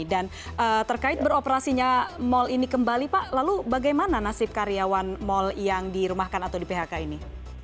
dan terkait beroperasinya mall ini kembali pak lalu bagaimana nasib karyawan mall yang dirumahkan atau di phk ini